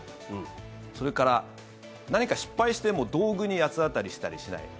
それから、何か失敗しても道具に八つ当たりしたりしない。